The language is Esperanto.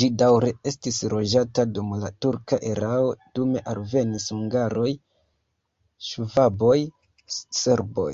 Ĝi daŭre estis loĝata dum la turka erao, dume alvenis hungaroj, ŝvaboj, serboj.